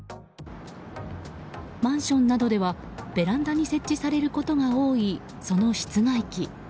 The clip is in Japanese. マンションなどではベランダに設置されることが多いその室外機。